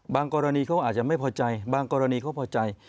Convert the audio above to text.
กรณีเขาอาจจะไม่พอใจบางกรณีเขาพอใจ